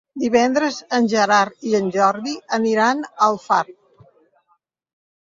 Divendres en Gerard i en Jordi aniran a Alfarb.